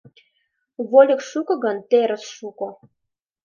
Вольык шуко гын, терыс шуко.